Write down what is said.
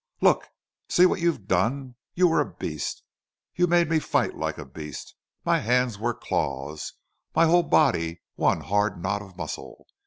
"Look! See what you've done. You were a beast. You made me fight like a beast. My hands were claws my whole body one hard knot of muscle.